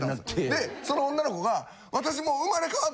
でその女の子が。